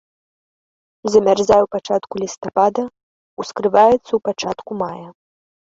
Замярзае ў пачатку лістапада, ускрываецца ў пачатку мая.